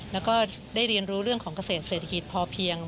แล้วก็ได้เรียนรู้เรื่องของเกษตรเศรษฐกิจพอเพียง